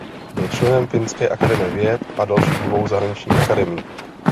Byl členem Finské akademie věd a dalších dvou zahraničních akademií.